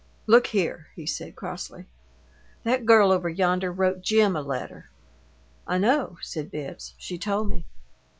"Look here," he said, crossly. "That girl over yonder wrote Jim a letter " "I know," said Bibbs. "She told me."